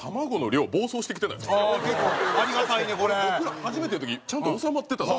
僕ら初めての時ちゃんと収まってた。